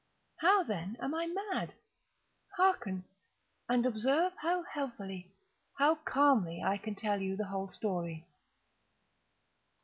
How, then, am I mad? Hearken! and observe how healthily—how calmly I can tell you the whole story.